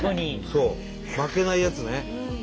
そう負けないやつね。